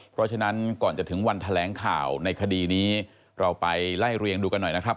เพราะฉะนั้นก่อนจะถึงวันแถลงข่าวในคดีนี้เราไปไล่เรียงดูกันหน่อยนะครับ